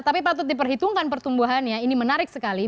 tapi patut diperhitungkan pertumbuhannya ini menarik sekali